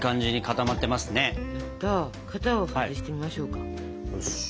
やった型を外してみましょうか。